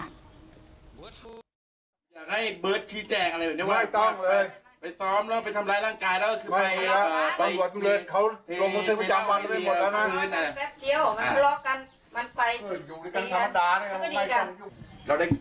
อยากให้เบิร์ดชี้แจกอะไรไม่ต้องเลย